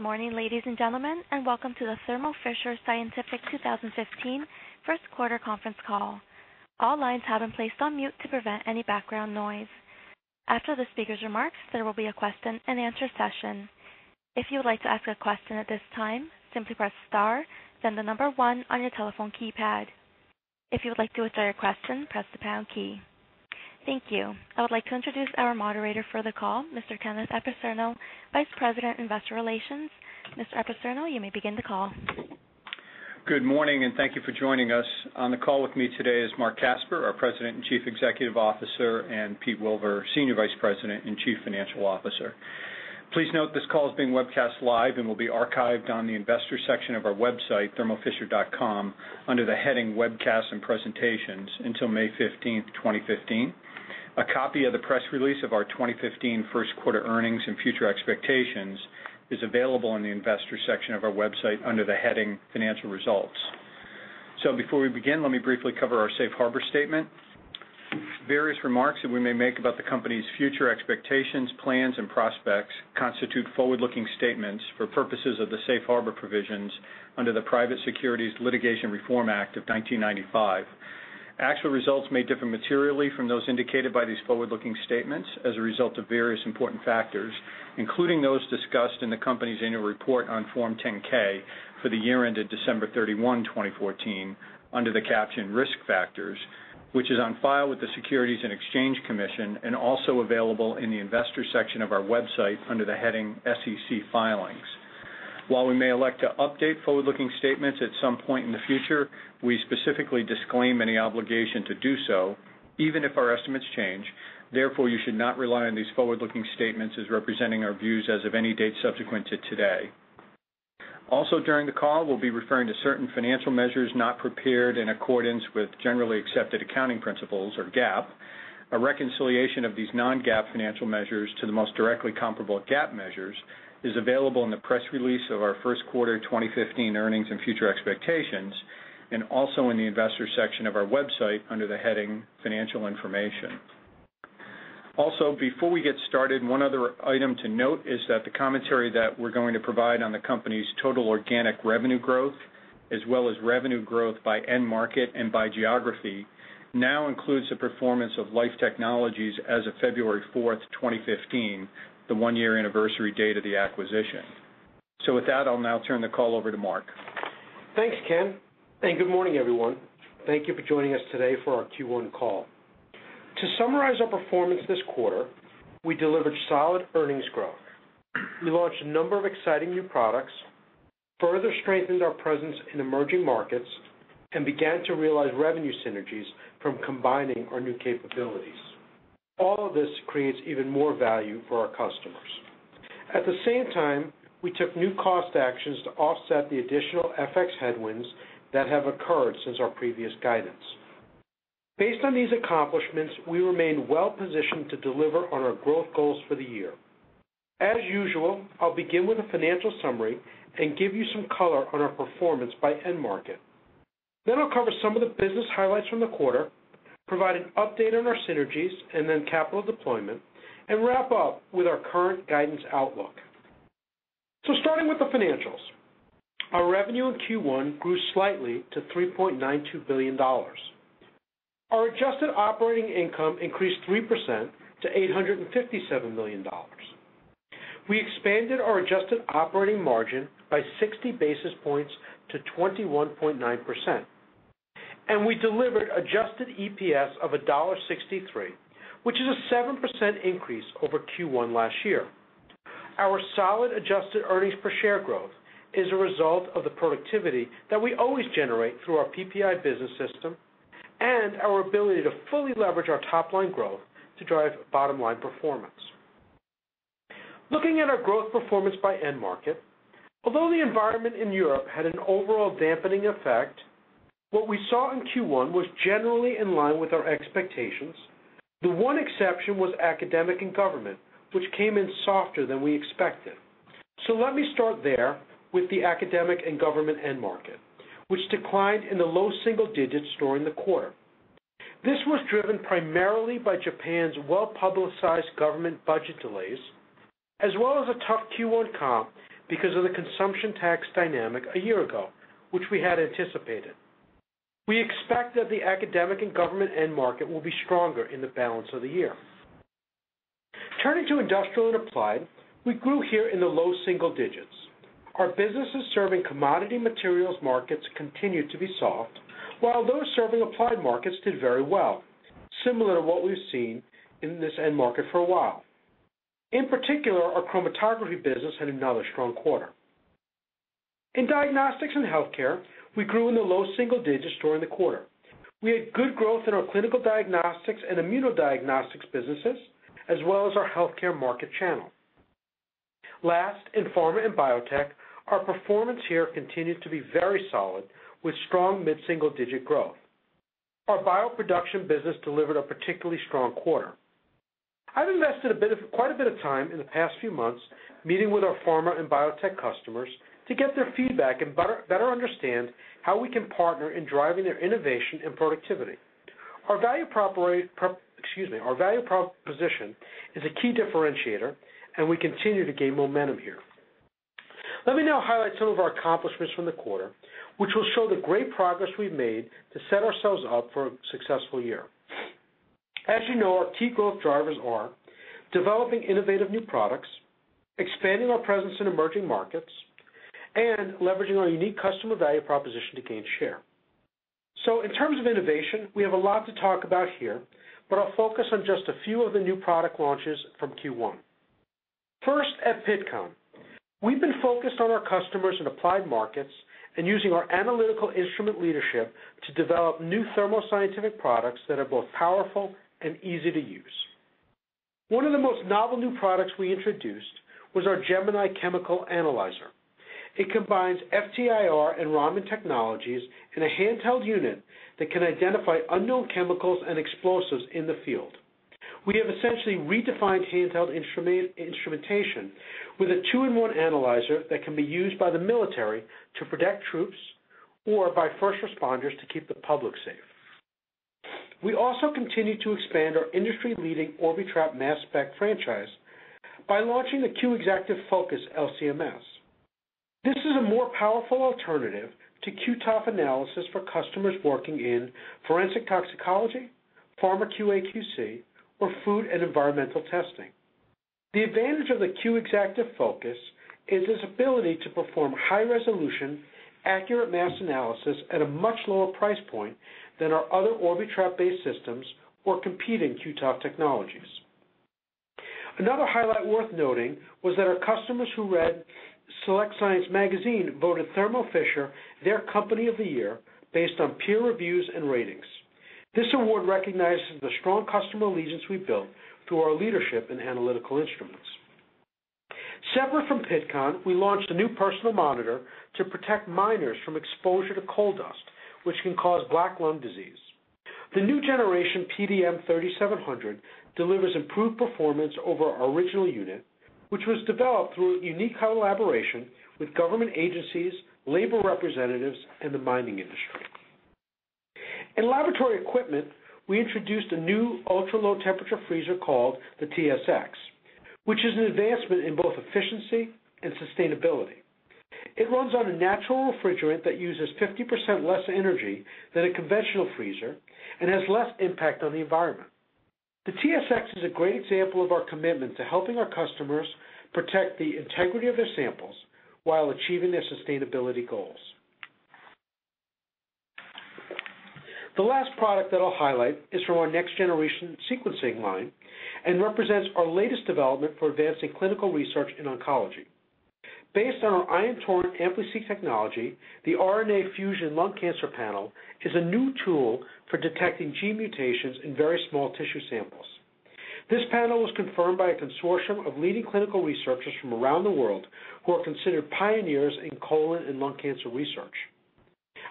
Good morning, ladies and gentlemen, welcome to the Thermo Fisher Scientific 2015 first quarter conference call. All lines have been placed on mute to prevent any background noise. After the speaker's remarks, there will be a question-and-answer session. If you would like to ask a question at this time, simply press star then the number one on your telephone keypad. If you would like to withdraw your question, press the pound key. Thank you. I would like to introduce our moderator for the call, Mr. Kenneth Apicerno, Vice President Investor Relations. Mr. Apicerno, you may begin the call. Good morning, thank you for joining us. On the call with me today is Marc Casper, our President and Chief Executive Officer, and Peter Wilver, Senior Vice President and Chief Financial Officer. Please note this call is being webcast live and will be archived on the investor section of our website, thermofisher.com, under the heading Webcasts and Presentations until May 15th, 2015. A copy of the press release of our 2015 first quarter earnings and future expectations is available on the investor section of our website under the heading Financial Results. Before we begin, let me briefly cover our safe harbor statement. Various remarks that we may make about the company's future expectations, plans, and prospects constitute forward-looking statements for purposes of the safe harbor provisions under the Private Securities Litigation Reform Act of 1995. Actual results may differ materially from those indicated by these forward-looking statements as a result of various important factors, including those discussed in the company's annual report on Form 10-K for the year ended December 31, 2014, under the caption Risk Factors, which is on file with the Securities and Exchange Commission and also available in the investor section of our website under the heading SEC Filings. While we may elect to update forward-looking statements at some point in the future, we specifically disclaim any obligation to do so, even if our estimates change. Therefore, you should not rely on these forward-looking statements as representing our views as of any date subsequent to today. During the call, we'll be referring to certain financial measures not prepared in accordance with generally accepted accounting principles or GAAP. A reconciliation of these non-GAAP financial measures to the most directly comparable GAAP measures is available in the press release of our first quarter 2015 earnings and future expectations, and also in the investor section of our website under the heading Financial Information. Before we get started, one other item to note is that the commentary that we're going to provide on the company's total organic revenue growth, as well as revenue growth by end market and by geography, now includes the performance of Life Technologies as of February fourth, 2015, the one-year anniversary date of the acquisition. With that, I'll now turn the call over to Marc. Thanks, Ken, and good morning, everyone. Thank you for joining us today for our Q1 call. To summarize our performance this quarter, we delivered solid earnings growth. We launched a number of exciting new products, further strengthened our presence in emerging markets, and began to realize revenue synergies from combining our new capabilities. All of this creates even more value for our customers. At the same time, we took new cost actions to offset the additional FX headwinds that have occurred since our previous guidance. Based on these accomplishments, we remain well positioned to deliver on our growth goals for the year. As usual, I'll begin with a financial summary and give you some color on our performance by end market. I'll cover some of the business highlights from the quarter, provide an update on our synergies and then capital deployment, and wrap up with our current guidance outlook. Starting with the financials, our revenue in Q1 grew slightly to $3.92 billion. Our adjusted operating income increased 3% to $857 million. We expanded our adjusted operating margin by 60 basis points to 21.9%. We delivered adjusted EPS of $1.63, which is a 7% increase over Q1 last year. Our solid adjusted earnings per share growth is a result of the productivity that we always generate through our PPI business system and our ability to fully leverage our top-line growth to drive bottom-line performance. Looking at our growth performance by end market, although the environment in Europe had an overall dampening effect, what we saw in Q1 was generally in line with our expectations. The one exception was academic and government, which came in softer than we expected. Let me start there with the academic and government end market, which declined in the low double digits during the quarter. This was driven primarily by Japan's well-publicized government budget delays, as well as a tough Q1 comp because of the consumption tax dynamic a year ago, which we had anticipated. We expect that the academic and government end market will be stronger in the balance of the year. Turning to industrial and applied, we grew here in the low single digits. Our businesses serving commodity materials markets continued to be soft, while those serving applied markets did very well, similar to what we've seen in this end market for a while. In particular, our chromatography business had another strong quarter. In diagnostics and healthcare, we grew in the low single digits during the quarter. We had good growth in our clinical diagnostics and immunodiagnostics businesses, as well as our healthcare market channel. Last, in pharma and biotech, our performance here continued to be very solid with strong mid-single-digit growth. Our bioproduction business delivered a particularly strong quarter. I've invested quite a bit of time in the past few months meeting with our pharma and biotech customers to get their feedback and better understand how we can partner in driving their innovation and productivity. Our value proposition is a key differentiator, and we continue to gain momentum here. Let me now highlight some of our accomplishments from the quarter, which will show the great progress we've made to set ourselves up for a successful year. As you know, our key growth drivers are developing innovative new products, expanding our presence in emerging markets, and leveraging our unique customer value proposition to gain share. In terms of innovation, we have a lot to talk about here, but I'll focus on just a few of the new product launches from Q1. First, at Pittcon, we've been focused on our customers in applied markets and using our analytical instrument leadership to develop new Thermo Scientific products that are both powerful and easy to use. One of the most novel new products we introduced was our Gemini chemical analyzer. It combines FTIR and Raman technologies in a handheld unit that can identify unknown chemicals and explosives in the field. We have essentially redefined handheld instrumentation with a two-in-one analyzer that can be used by the military to protect troops or by first responders to keep the public safe. We also continue to expand our industry-leading Orbitrap mass spec franchise by launching the Q Exactive Focus LC-MS. This is a more powerful alternative to Q-TOF analysis for customers working in forensic toxicology, pharma QA/QC, or food and environmental testing. The advantage of the Q Exactive Focus is its ability to perform high-resolution, accurate mass analysis at a much lower price point than our other Orbitrap-based systems or competing Q-TOF technologies. Another highlight worth noting was that our customers who read SelectScience Magazine voted Thermo Fisher their company of the year based on peer reviews and ratings. This award recognizes the strong customer allegiance we've built through our leadership in analytical instruments. Separate from Pittcon, we launched a new personal monitor to protect miners from exposure to coal dust, which can cause black lung disease. The new generation PDM 3700 delivers improved performance over our original unit, which was developed through a unique collaboration with government agencies, labor representatives, and the mining industry. In laboratory equipment, we introduced a new ultra-low temperature freezer called the TSX, which is an advancement in both efficiency and sustainability. It runs on a natural refrigerant that uses 50% less energy than a conventional freezer and has less impact on the environment. The TSX is a great example of our commitment to helping our customers protect the integrity of their samples while achieving their sustainability goals. The last product that I'll highlight is from our next-generation sequencing line and represents our latest development for advancing clinical research in oncology. Based on our Ion Torrent AmpliSeq technology, the RNA fusion lung cancer panel is a new tool for detecting gene mutations in very small tissue samples. This panel was confirmed by a consortium of leading clinical researchers from around the world who are considered pioneers in colon and lung cancer research.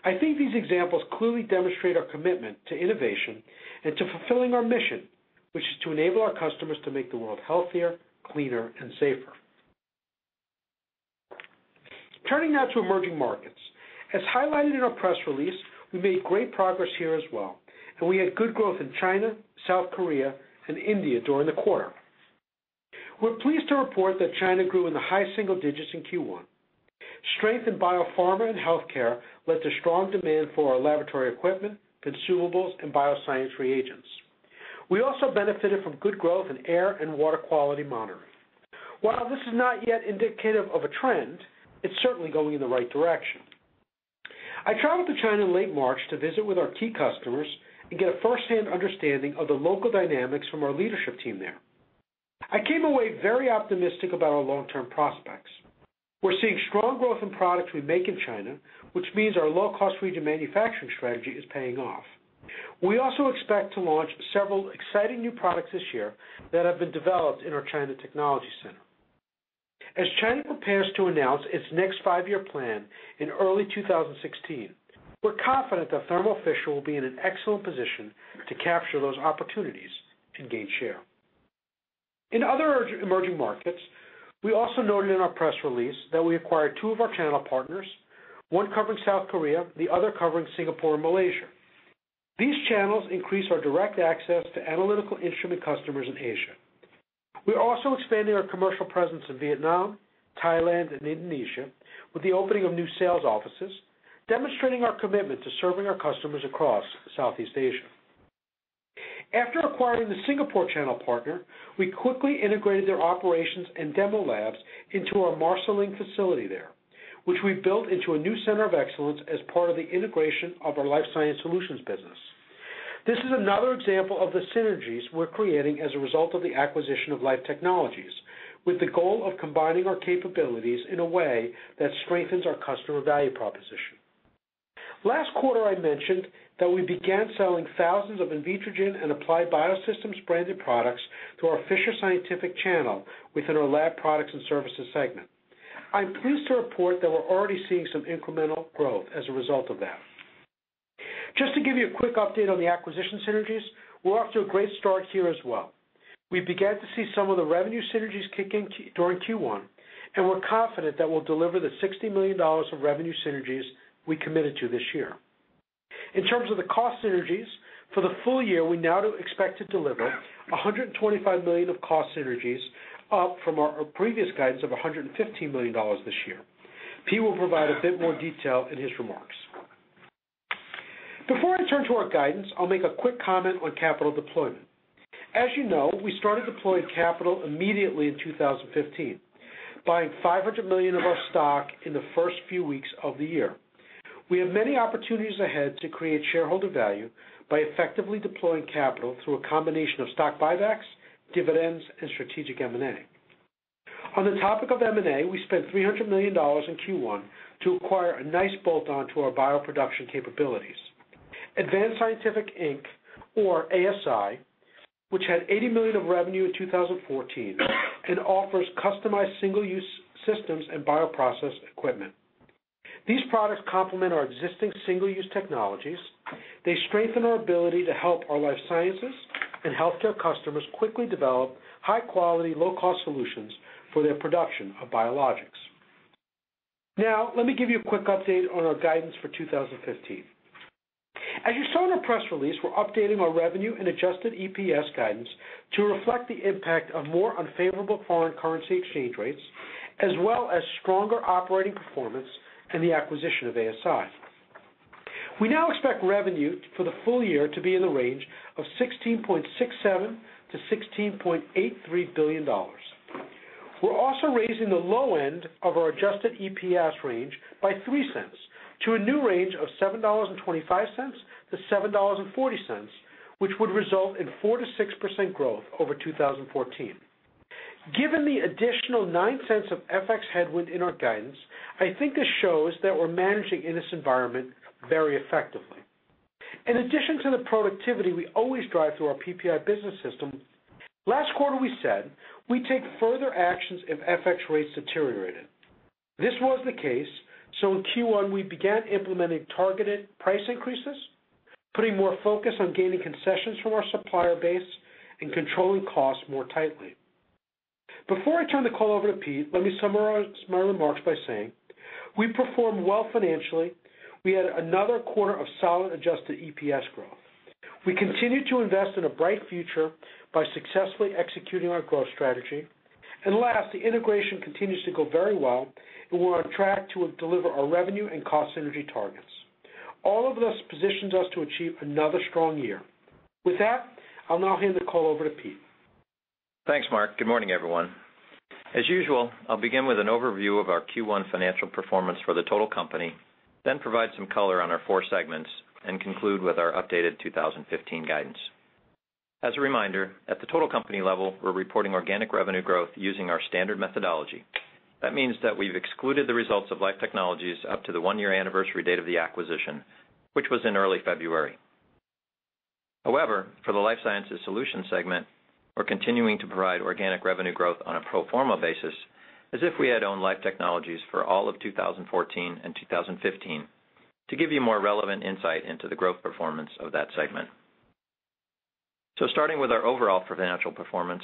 I think these examples clearly demonstrate our commitment to innovation and to fulfilling our mission, which is to enable our customers to make the world healthier, cleaner, and safer. Turning now to emerging markets. As highlighted in our press release, we made great progress here as well. We had good growth in China, South Korea, and India during the quarter. We're pleased to report that China grew in the high single digits in Q1. Strength in biopharma and healthcare led to strong demand for our laboratory equipment, consumables, and bioscience reagents. We also benefited from good growth in air and water quality monitoring. While this is not yet indicative of a trend, it's certainly going in the right direction. I traveled to China in late March to visit with our key customers and get a firsthand understanding of the local dynamics from our leadership team there. I came away very optimistic about our long-term prospects. We're seeing strong growth in products we make in China, which means our low-cost region manufacturing strategy is paying off. We also expect to launch several exciting new products this year that have been developed in our China technology center. As China prepares to announce its next five-year plan in early 2016, we're confident that Thermo Fisher will be in an excellent position to capture those opportunities and gain share. In other emerging markets, we also noted in our press release that we acquired two of our channel partners, one covering South Korea, the other covering Singapore and Malaysia. These channels increase our direct access to analytical instrument customers in Asia. We're also expanding our commercial presence in Vietnam, Thailand, and Indonesia with the opening of new sales offices, demonstrating our commitment to serving our customers across Southeast Asia. After acquiring the Singapore channel partner, we quickly integrated their operations and demo labs into our Marsiling facility there, which we built into a new center of excellence as part of the integration of our Life Sciences Solutions business. This is another example of the synergies we're creating as a result of the acquisition of Life Technologies, with the goal of combining our capabilities in a way that strengthens our customer value proposition. Last quarter, I mentioned that we began selling thousands of Invitrogen and Applied Biosystems branded products through our Fisher Scientific channel within our lab products and services segment. I'm pleased to report that we're already seeing some incremental growth as a result of that. Just to give you a quick update on the acquisition synergies, we're off to a great start here as well. We began to see some of the revenue synergies kick in during Q1, and we're confident that we'll deliver the $60 million of revenue synergies we committed to this year. In terms of the cost synergies, for the full year, we now expect to deliver $125 million of cost synergies up from our previous guidance of $115 million this year. Pete will provide a bit more detail in his remarks. Before I turn to our guidance, I'll make a quick comment on capital deployment. As you know, we started deploying capital immediately in 2015, buying $500 million of our stock in the first few weeks of the year. We have many opportunities ahead to create shareholder value by effectively deploying capital through a combination of stock buybacks, dividends, and strategic M&A. On the topic of M&A, we spent $300 million in Q1 to acquire a nice bolt-on to our bioproduction capabilities. Advanced Scientifics, Inc., or ASI, which had $80 million of revenue in 2014, and offers customized single-use systems and bioprocess equipment. These products complement our existing single-use technologies. They strengthen our ability to help our life sciences and healthcare customers quickly develop high-quality, low-cost solutions for their production of biologics. Let me give you a quick update on our guidance for 2015. As you saw in our press release, we're updating our revenue and adjusted EPS guidance to reflect the impact of more unfavorable foreign currency exchange rates, as well as stronger operating performance and the acquisition of ASI. We now expect revenue for the full year to be in the range of $16.67 billion-$16.83 billion. We're also raising the low end of our adjusted EPS range by $0.03 to a new range of $7.25-$7.40, which would result in 4%-6% growth over 2014. Given the additional $0.09 of FX headwind in our guidance, I think this shows that we're managing in this environment very effectively. In addition to the productivity we always drive through our PPI business system, last quarter, we said we'd take further actions if FX rates deteriorated. This was the case, so in Q1, we began implementing targeted price increases, putting more focus on gaining concessions from our supplier base, and controlling costs more tightly. Before I turn the call over to Pete, let me summarize my remarks by saying we performed well financially. We had another quarter of solid adjusted EPS growth. We continue to invest in a bright future by successfully executing our growth strategy. Last, the integration continues to go very well, and we're on track to deliver our revenue and cost synergy targets. All of this positions us to achieve another strong year. With that, I'll now hand the call over to Pete. Thanks, Marc. Good morning, everyone. As usual, I'll begin with an overview of our Q1 financial performance for the total company, then provide some color on our four segments and conclude with our updated 2015 guidance. As a reminder, at the total company level, we're reporting organic revenue growth using our standard methodology. That means that we've excluded the results of Life Technologies up to the one-year anniversary date of the acquisition, which was in early February. However, for the Life Sciences Solutions segment, we're continuing to provide organic revenue growth on a pro forma basis as if we had owned Life Technologies for all of 2014 and 2015 to give you more relevant insight into the growth performance of that segment. Starting with our overall financial performance,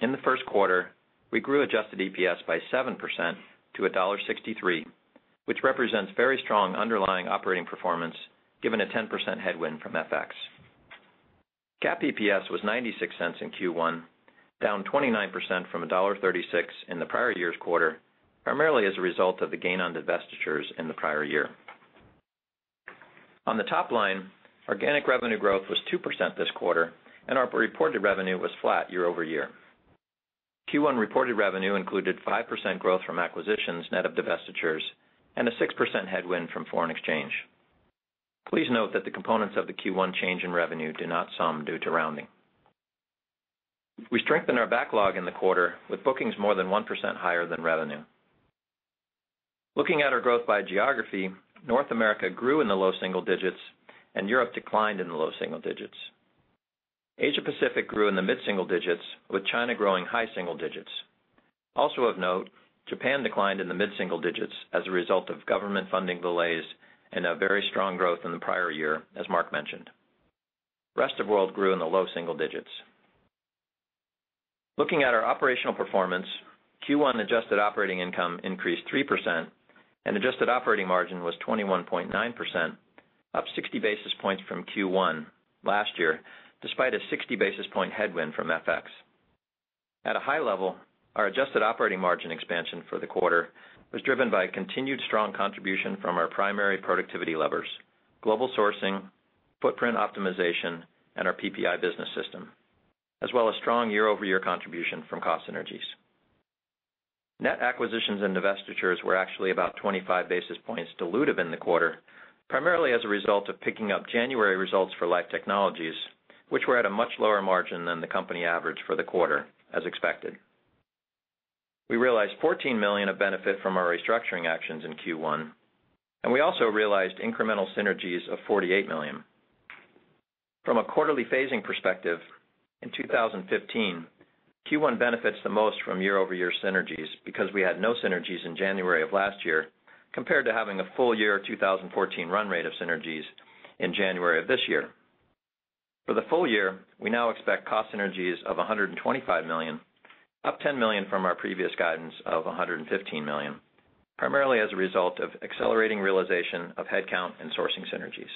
in the first quarter, we grew adjusted EPS by 7% to $1.63, which represents very strong underlying operating performance given a 10% headwind from FX. GAAP EPS was $0.96 in Q1, down 29% from $1.36 in the prior year's quarter, primarily as a result of the gain on divestitures in the prior year. On the top line, organic revenue growth was 2% this quarter, and our reported revenue was flat year-over-year. Q1 reported revenue included 5% growth from acquisitions net of divestitures and a 6% headwind from foreign exchange. Please note that the components of the Q1 change in revenue do not sum due to rounding. We strengthened our backlog in the quarter with bookings more than 1% higher than revenue. Looking at our growth by geography, North America grew in the low single digits and Europe declined in the low single digits. Asia Pacific grew in the mid-single digits, with China growing high single digits. Also of note, Japan declined in the mid-single digits as a result of government funding delays and a very strong growth in the prior year, as Marc mentioned. Rest of world grew in the low single digits. Looking at our operational performance, Q1 adjusted operating income increased 3%, and adjusted operating margin was 21.9%, up 60 basis points from Q1 last year, despite a 60-basis-point headwind from FX. At a high level, our adjusted operating margin expansion for the quarter was driven by a continued strong contribution from our primary productivity levers: global sourcing, footprint optimization, and our PPI business system, as well as strong year-over-year contribution from cost synergies. Net acquisitions and divestitures were actually about 25 basis points dilutive in the quarter, primarily as a result of picking up January results for Life Technologies, which were at a much lower margin than the company average for the quarter, as expected. We realized $14 million of benefit from our restructuring actions in Q1, and we also realized incremental synergies of $48 million. From a quarterly phasing perspective in 2015, Q1 benefits the most from year-over-year synergies because we had no synergies in January of last year compared to having a full year 2014 run rate of synergies in January of this year. For the full year, we now expect cost synergies of $125 million, up $10 million from our previous guidance of $115 million, primarily as a result of accelerating realization of headcount and sourcing synergies.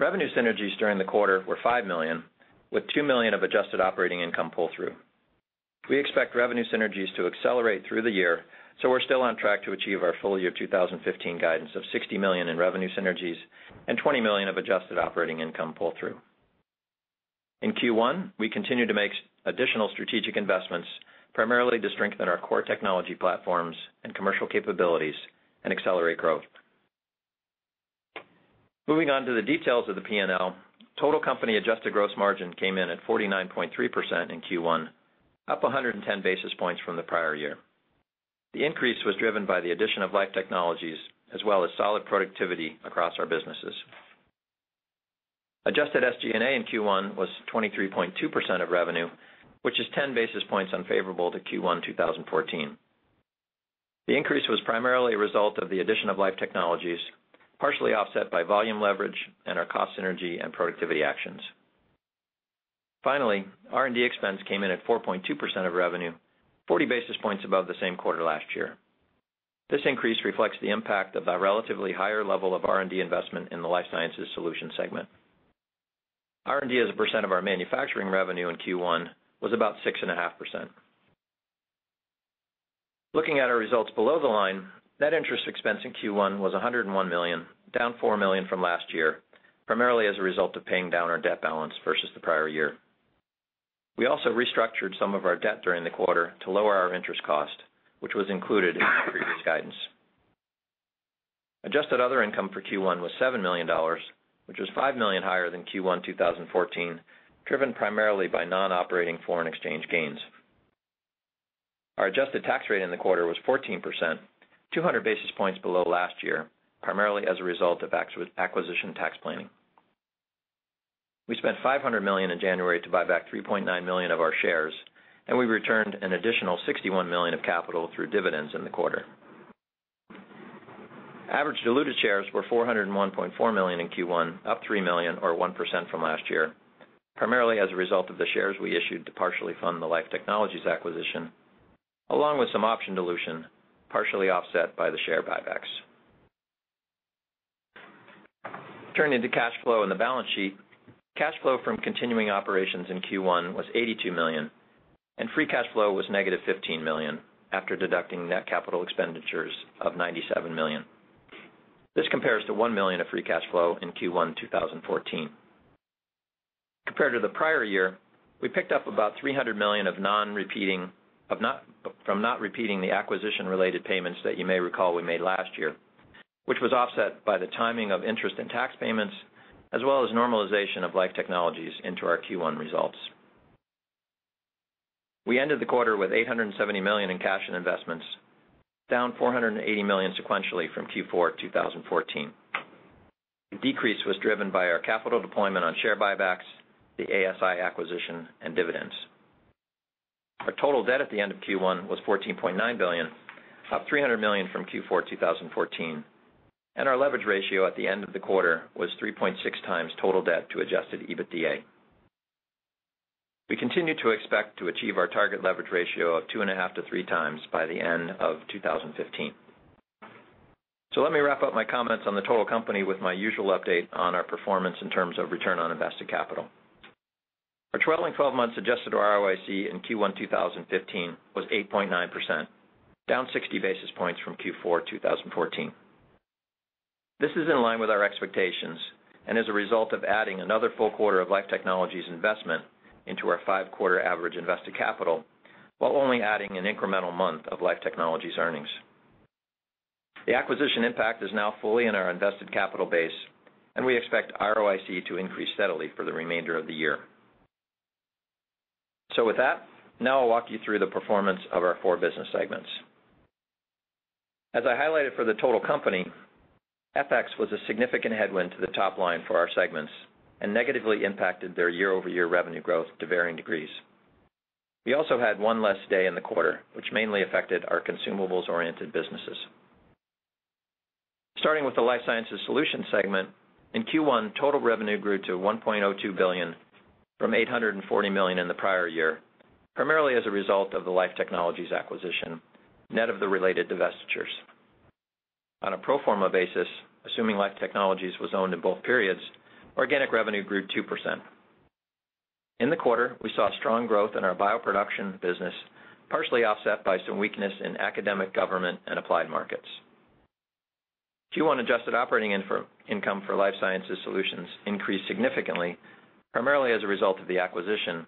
Revenue synergies during the quarter were $5 million, with $2 million of adjusted operating income pull-through. We expect revenue synergies to accelerate through the year, so we're still on track to achieve our full year 2015 guidance of $60 million in revenue synergies and $20 million of adjusted operating income pull-through. In Q1, we continued to make additional strategic investments, primarily to strengthen our core technology platforms and commercial capabilities and accelerate growth. Moving on to the details of the P&L, total company adjusted gross margin came in at 49.3% in Q1, up 110 basis points from the prior year. The increase was driven by the addition of Life Technologies, as well as solid productivity across our businesses. Adjusted SG&A in Q1 was 23.2% of revenue, which is 10 basis points unfavorable to Q1 2014. The increase was primarily a result of the addition of Life Technologies, partially offset by volume leverage and our cost synergy and productivity actions. Finally, R&D expense came in at 4.2% of revenue, 40 basis points above the same quarter last year. This increase reflects the impact of the relatively higher level of R&D investment in the Life Sciences Solutions segment. R&D as a percent of our manufacturing revenue in Q1 was about 6.5%. Looking at our results below the line, net interest expense in Q1 was $101 million, down $4 million from last year, primarily as a result of paying down our debt balance versus the prior year. We also restructured some of our debt during the quarter to lower our interest cost, which was included in our previous guidance. Adjusted other income for Q1 was $7 million, which was $5 million higher than Q1 2014, driven primarily by non-operating foreign exchange gains. Our adjusted tax rate in the quarter was 14%, 200 basis points below last year, primarily as a result of acquisition tax planning. We spent $500 million in January to buy back 3.9 million of our shares, and we returned an additional $61 million of capital through dividends in the quarter. Average diluted shares were 401.4 million in Q1, up 3 million or 1% from last year, primarily as a result of the shares we issued to partially fund the Life Technologies acquisition, along with some option dilution, partially offset by the share buybacks. Turning to cash flow and the balance sheet, cash flow from continuing operations in Q1 was $82 million, and free cash flow was negative $15 million after deducting net capital expenditures of $97 million. This compares to $1 million of free cash flow in Q1 2014. Compared to the prior year, we picked up about $300 million from not repeating the acquisition-related payments that you may recall we made last year, which was offset by the timing of interest and tax payments, as well as normalization of Life Technologies into our Q1 results. We ended the quarter with $870 million in cash and investments, down $480 million sequentially from Q4 2014. The decrease was driven by our capital deployment on share buybacks, the ASI acquisition, and dividends. Our total debt at the end of Q1 was $14.9 billion, up $300 million from Q4 2014, and our leverage ratio at the end of the quarter was 3.6 times total debt to adjusted EBITDA. We continue to expect to achieve our target leverage ratio of two and a half to three times by the end of 2015. Let me wrap up my comments on the total company with my usual update on our performance in terms of return on invested capital. Our trailing 12 months adjusted ROIC in Q1 2015 was 8.9%, down 60 basis points from Q4 2014. This is in line with our expectations and is a result of adding another full quarter of Life Technologies investment into our five-quarter average invested capital, while only adding an incremental month of Life Technologies earnings. The acquisition impact is now fully in our invested capital base, and we expect ROIC to increase steadily for the remainder of the year. With that, now I'll walk you through the performance of our four business segments. As I highlighted for the total company, FX was a significant headwind to the top line for our segments and negatively impacted their year-over-year revenue growth to varying degrees. We also had one less day in the quarter, which mainly affected our consumables-oriented businesses. Starting with the Life Sciences Solutions segment, in Q1, total revenue grew to $1.02 billion from $840 million in the prior year, primarily as a result of the Life Technologies acquisition, net of the related divestitures. On a pro forma basis, assuming Life Technologies was owned in both periods, organic revenue grew 2%. In the quarter, we saw strong growth in our bioproduction business, partially offset by some weakness in academic, government, and applied markets. Q1 adjusted operating income for Life Sciences Solutions increased significantly, primarily as a result of the acquisition,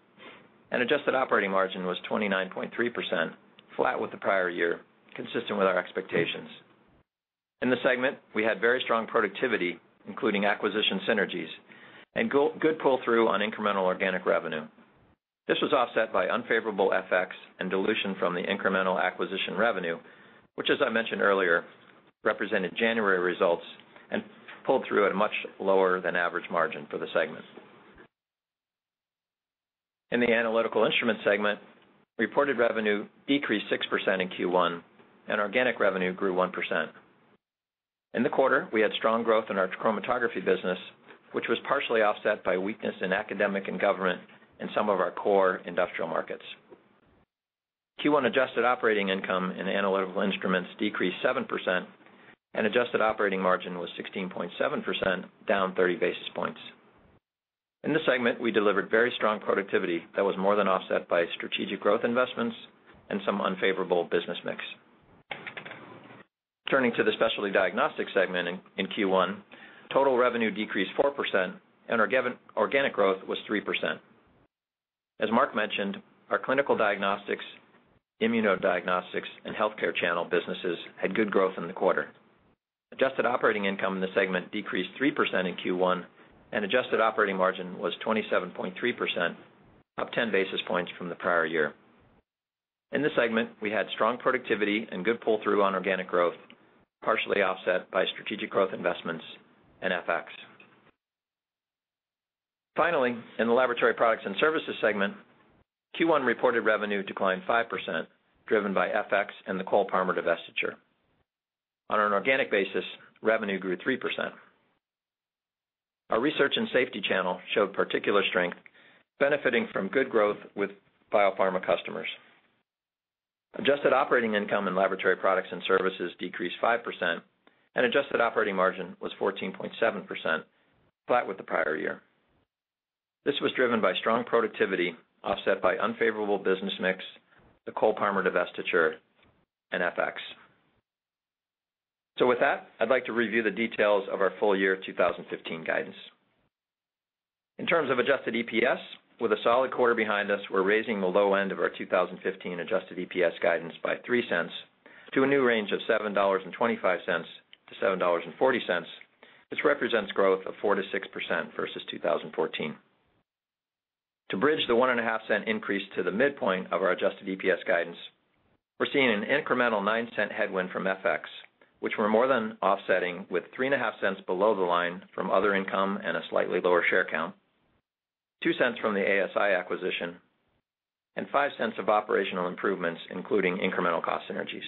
and adjusted operating margin was 29.3%, flat with the prior year, consistent with our expectations. In the segment, we had very strong productivity, including acquisition synergies, and good pull-through on incremental organic revenue. This was offset by unfavorable FX and dilution from the incremental acquisition revenue, which as I mentioned earlier, represented January results and pulled through at a much lower than average margin for the segment. In the analytical instrument segment, reported revenue decreased 6% in Q1, and organic revenue grew 1%. In the quarter, we had strong growth in our chromatography business, which was partially offset by weakness in academic and government and some of our core industrial markets. Q1 adjusted operating income and Analytical Instruments decreased 7%, and adjusted operating margin was 16.7%, down 30 basis points. In this segment, we delivered very strong productivity that was more than offset by strategic growth investments and some unfavorable business mix. Turning to the Specialty Diagnostics segment in Q1, total revenue decreased 4%, and organic growth was 3%. As Marc mentioned, our clinical diagnostics, immunodiagnostics, and healthcare channel businesses had good growth in the quarter. Adjusted operating income in the segment decreased 3% in Q1, and adjusted operating margin was 27.3%, up 10 basis points from the prior year. In this segment, we had strong productivity and good pull-through on organic growth, partially offset by strategic growth investments and FX. Finally, in the Laboratory Products and Services segment, Q1 reported revenue declined 5%, driven by FX and the Cole-Parmer divestiture. On an organic basis, revenue grew 3%. Our research and safety channel showed particular strength, benefiting from good growth with biopharma customers. Adjusted operating income and Laboratory Products and Services decreased 5%, and adjusted operating margin was 14.7%, flat with the prior year. This was driven by strong productivity offset by unfavorable business mix, the Cole-Parmer divestiture, and FX. With that, I'd like to review the details of our full year 2015 guidance. In terms of adjusted EPS with a solid quarter behind us, we're raising the low end of our 2015 adjusted EPS guidance by $0.03 to a new range of $7.25 to $7.40. This represents growth of 4%-6% versus 2014. To bridge the $0.015 increase to the midpoint of our adjusted EPS guidance, we're seeing an incremental $0.09 headwind from FX, which we're more than offsetting with $0.035 below the line from other income and a slightly lower share count, $0.02 from the ASI acquisition, and $0.05 of operational improvements, including incremental cost synergies.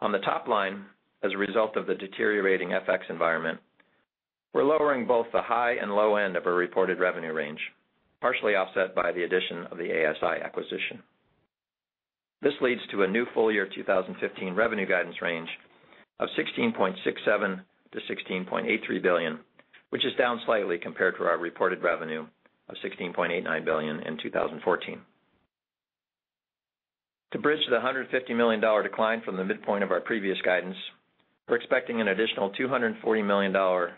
On the top line, as a result of the deteriorating FX environment, we're lowering both the high and low end of a reported revenue range, partially offset by the addition of the ASI acquisition. This leads to a new full-year 2015 revenue guidance range of $16.67 billion-$16.83 billion, which is down slightly compared to our reported revenue of $16.89 billion in 2014. To bridge the $150 million decline from the midpoint of our previous guidance, we're expecting an additional $240 million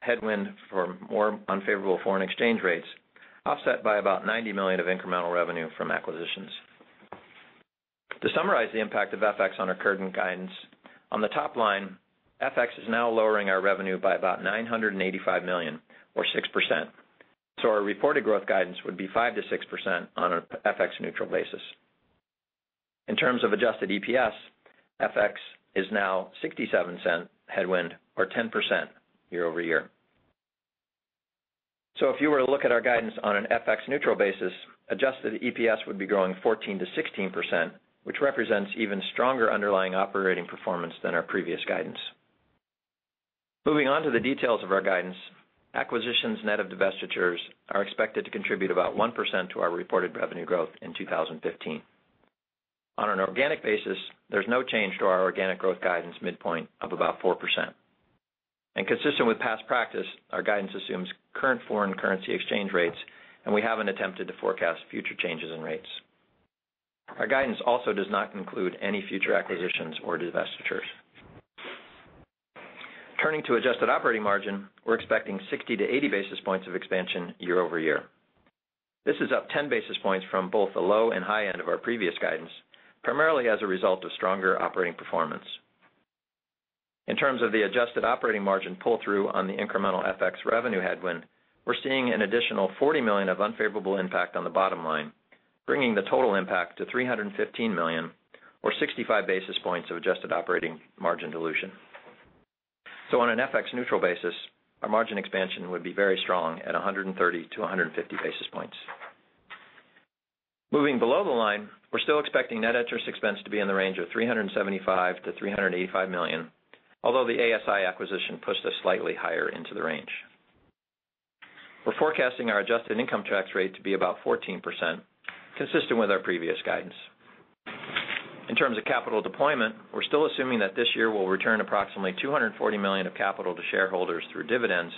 headwind for more unfavorable foreign exchange rates, offset by about $90 million of incremental revenue from acquisitions. To summarize the impact of FX on our current guidance, on the top line, FX is now lowering our revenue by about $985 million or 6%. Our reported growth guidance would be 5%-6% on an FX neutral basis. In terms of adjusted EPS, FX is now a $0.67 headwind or 10% year-over-year. If you were to look at our guidance on an FX neutral basis, adjusted EPS would be growing 14%-16%, which represents even stronger underlying operating performance than our previous guidance. Moving on to the details of our guidance. Acquisitions net of divestitures are expected to contribute about 1% to our reported revenue growth in 2015. On an organic basis, there's no change to our organic growth guidance midpoint of about 4%. Consistent with past practice, our guidance assumes current foreign currency exchange rates, and we haven't attempted to forecast future changes in rates. Our guidance also does not include any future acquisitions or divestitures. Turning to adjusted operating margin, we're expecting 60-80 basis points of expansion year-over-year. This is up 10 basis points from both the low and high end of our previous guidance, primarily as a result of stronger operating performance. In terms of the adjusted operating margin pull-through on the incremental FX revenue headwind, we're seeing an additional $40 million of unfavorable impact on the bottom line, bringing the total impact to $315 million or 65 basis points of adjusted operating margin dilution. On an FX neutral basis, our margin expansion would be very strong at 130-150 basis points. Moving below the line, we're still expecting net interest expense to be in the range of $375 million-$385 million, although the ASI acquisition pushed us slightly higher into the range. We're forecasting our adjusted income tax rate to be about 14%, consistent with our previous guidance. In terms of capital deployment, we're still assuming that this year we'll return approximately $240 million of capital to shareholders through dividends,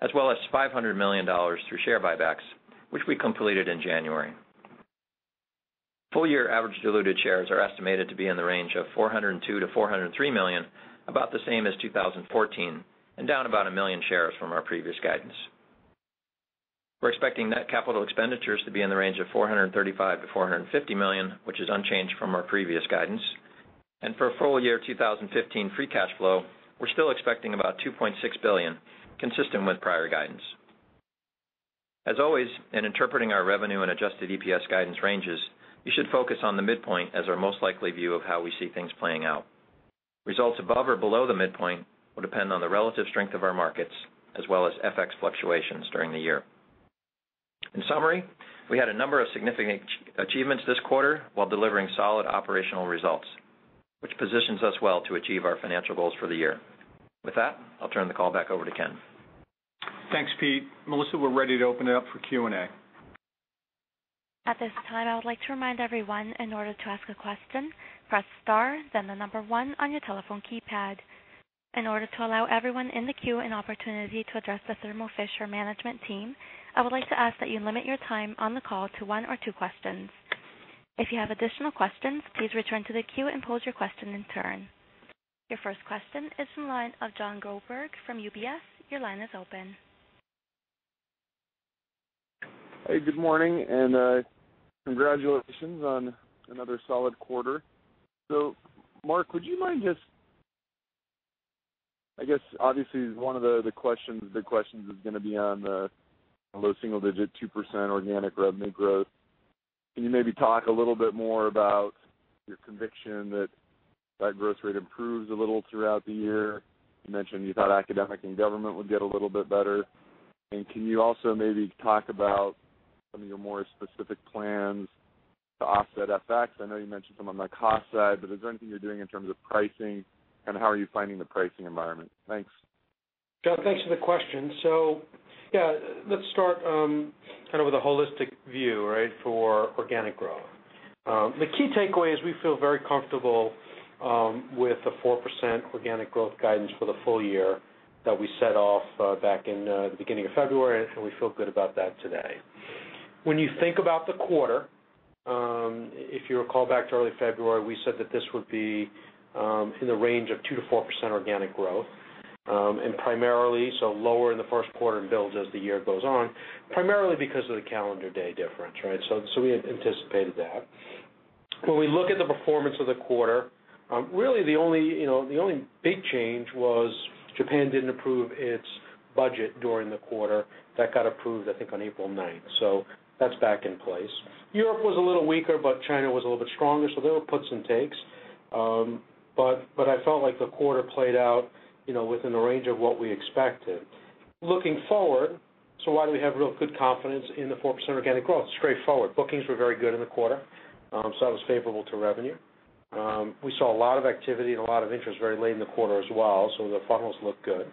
as well as $500 million through share buybacks, which we completed in January. Full year average diluted shares are estimated to be in the range of 402 million-403 million, about the same as 2014 and down about a million shares from our previous guidance. We're expecting net capital expenditures to be in the range of $435 million-$450 million, which is unchanged from our previous guidance. For full year 2015 free cash flow, we're still expecting about $2.6 billion consistent with prior guidance. As always, in interpreting our revenue and adjusted EPS guidance ranges, you should focus on the midpoint as our most likely view of how we see things playing out. Results above or below the midpoint will depend on the relative strength of our markets as well as FX fluctuations during the year. In summary, we had a number of significant achievements this quarter while delivering solid operational results, which positions us well to achieve our financial goals for the year. With that, I'll turn the call back over to Ken. Thanks, Pete. Melissa, we're ready to open it up for Q&A. At this time, I would like to remind everyone, in order to ask a question, press star then the number one on your telephone keypad. In order to allow everyone in the queue an opportunity to address the Thermo Fisher management team, I would like to ask that you limit your time on the call to one or two questions. If you have additional questions, please return to the queue and pose your question in turn. Your first question is from the line of Jon Groberg from UBS. Your line is open. Hey, good morning and, congratulations on another solid quarter. Marc, would you mind I guess obviously one of the questions is going to be on the low single digit, 2% organic rev mid growth. Can you maybe talk a little bit more about your conviction that that growth rate improves a little throughout the year? You mentioned you thought academic and government would get a little bit better. Can you also maybe talk about some of your more specific plans to offset FX? I know you mentioned some on the cost side, but is there anything you're doing in terms of pricing? How are you finding the pricing environment? Thanks. Jon, thanks for the question. Yeah, let's start, kind of with a holistic view, right, for organic growth. The key takeaway is we feel very comfortable with the 4% organic growth guidance for the full year that we set off back in the beginning of February, and we feel good about that today. When you think about the quarter, if you recall back to early February, we said that this would be in the range of 2%-4% organic growth. Primarily lower in the first quarter and builds as the year goes on, primarily because of the calendar day difference, right? We had anticipated that. When we look at the performance of the quarter, really the only big change was Japan didn't approve its budget during the quarter. That got approved, I think, on April 9th. That's back in place. Europe was a little weaker, China was a little bit stronger, there were puts and takes. I felt like the quarter played out within the range of what we expected. Looking forward, why do we have real good confidence in the 4% organic growth? It's straightforward. Bookings were very good in the quarter, that was favorable to revenue. We saw a lot of activity and a lot of interest very late in the quarter as well, the funnels look good.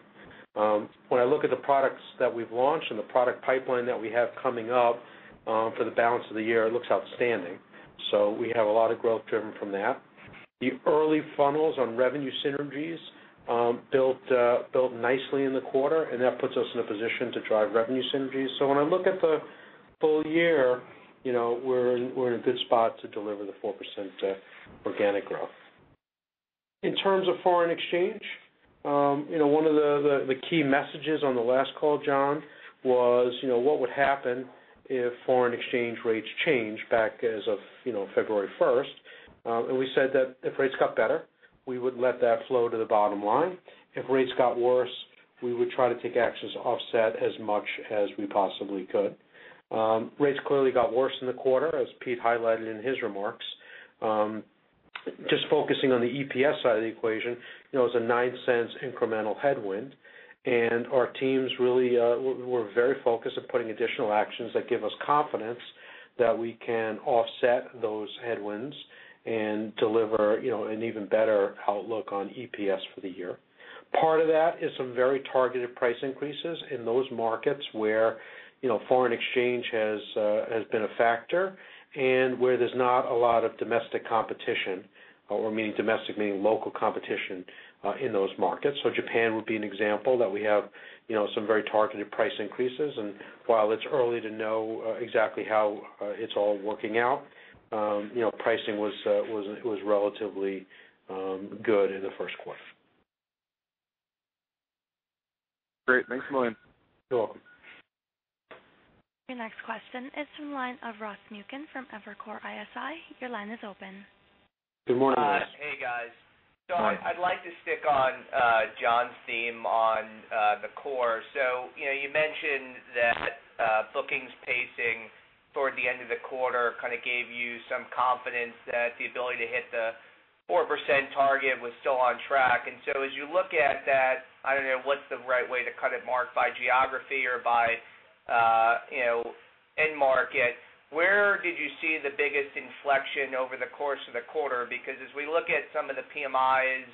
When I look at the products that we've launched and the product pipeline that we have coming up for the balance of the year, it looks outstanding. We have a lot of growth driven from that. The early funnels on revenue synergies built nicely in the quarter, that puts us in a position to drive revenue synergies. When I look at the full year, we're in a good spot to deliver the 4% organic growth. In terms of foreign exchange, one of the key messages on the last call, Jon, was what would happen if foreign exchange rates change back as of February 1st. We said that if rates got better, we would let that flow to the bottom line. If rates got worse, we would try to take actions to offset as much as we possibly could. Rates clearly got worse in the quarter, as Pete highlighted in his remarks. Just focusing on the EPS side of the equation, it's a $0.09 incremental headwind, our teams really were very focused of putting additional actions that give us confidence that we can offset those headwinds and deliver an even better outlook on EPS for the year. Part of that is some very targeted price increases in those markets where foreign exchange has been a factor and where there's not a lot of domestic competition, domestic meaning local competition, in those markets. Japan would be an example that we have some very targeted price increases. While it's early to know exactly how it's all working out, pricing was relatively good in the first quarter. Great. Thanks a million. You're welcome. Your next question is from the line of Ross Muken from Evercore ISI. Your line is open. Good morning, Ross. Hey, guys. Morning. I'd like to stick on Jon's theme on the core. You mentioned that bookings pacing toward the end of the quarter kind of gave you some confidence that the ability to hit the 4% target was still on track. As you look at that, I don't know what's the right way to cut it, Marc, by geography or by end market, where did you see the biggest inflection over the course of the quarter? As we look at some of the PMIs,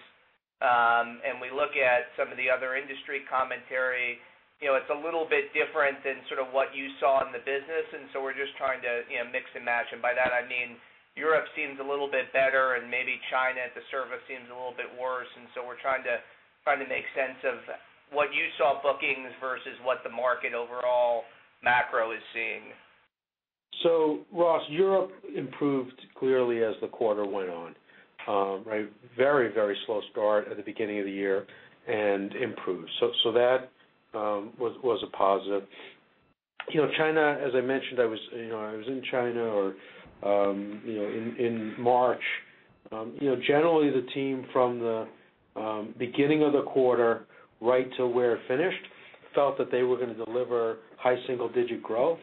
and we look at some of the other industry commentary, it's a little bit different than sort of what you saw in the business, we're just trying to mix and match. By that I mean Europe seems a little bit better and maybe China at the surface seems a little bit worse, we're trying to make sense of what you saw bookings versus what the market overall macro is seeing. Ross, Europe improved clearly as the quarter went on, right? Very slow start at the beginning of the year and improved. That was a positive. China, as I mentioned, I was in China in March. Generally, the team from the beginning of the quarter right to where it finished felt that they were going to deliver high single-digit growth.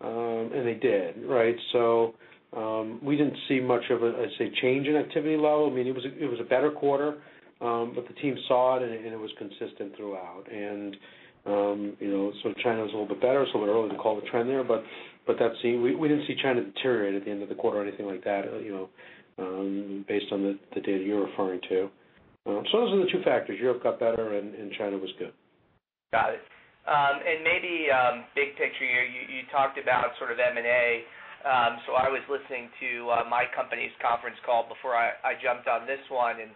They did, right? We didn't see much of a, I'd say, change in activity level. It was a better quarter, but the team saw it, and it was consistent throughout. China was a little bit better, we're early to call the trend there, but we didn't see China deteriorate at the end of the quarter or anything like that based on the data you're referring to. Those are the two factors. Europe got better and China was good. Got it. Maybe big picture here, you talked about sort of M&A. I was listening to my company's conference call before I jumped on this one, and